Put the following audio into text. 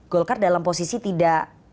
golkar dalam posisi tidak